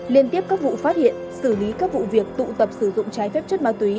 liên tiếp các vụ phát hiện xử lý các vụ việc tụ tập sử dụng trái phép chất ma túy